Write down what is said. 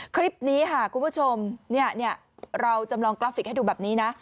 คลิปนี้ค่ะคุณผู้ชมเราจำลองกราฟิกให้ดูแบบนี้นะ